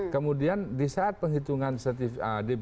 kemudian di saat penghitungan db satu